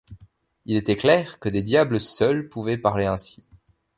Il était clair que des diables seuls pouvaient parler ainsi.